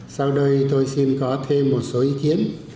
sau đây tôi xin có thêm một số ý kiến